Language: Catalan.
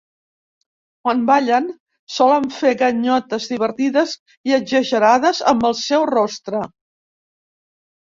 Quan ballen solen fer ganyotes divertides i exagerades amb el seu rostre.